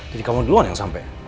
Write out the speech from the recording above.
kamu duluan yang sampai